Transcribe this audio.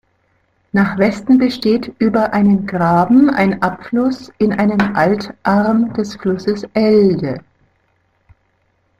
Nach Westen besteht über einen Graben ein Abfluss in einen Altarm des Flusses Elde.